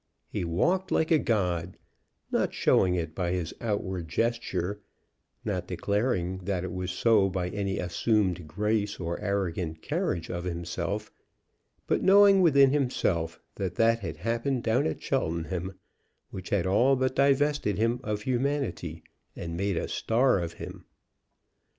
He walked like a god, not showing it by his outward gesture, not declaring that it was so by any assumed grace or arrogant carriage of himself; but knowing within himself that that had happened down at Cheltenham which had all but divested him of humanity, and made a star of him.